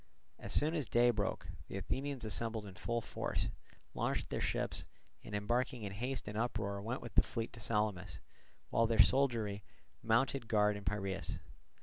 As soon as day broke, the Athenians assembled in full force, launched their ships, and embarking in haste and uproar went with the fleet to Salamis, while their soldiery mounted guard in Piraeus.